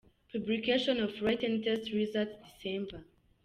Publication of Written test results ,December,.